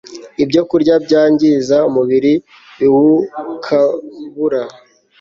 ibyokurya byangiza umubiri biwukabura